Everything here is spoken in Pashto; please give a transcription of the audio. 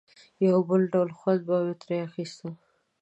یو بل ډول خوند به مې ترې اخیسته.